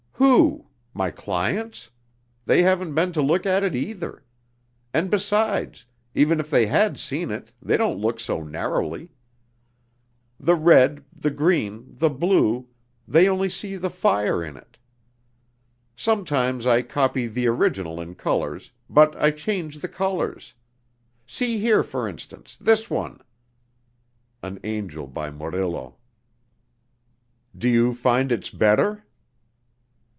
"Who? My clients? They haven't been to look at it either.... And besides, even if they had seen it, they don't look so narrowly! The red, the green, the blue they only see the fire in it. Sometimes I copy the original in colors, but I change the colors.... See here, for instance, this one...." (An angel by Murillo). "Do you find it's better?"